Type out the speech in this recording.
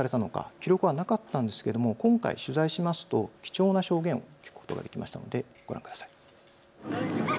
記録はなかったんですが今回取材しますと貴重な証言を聞くことができましたのでご覧ください。